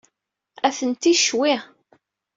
Atenti ccwi.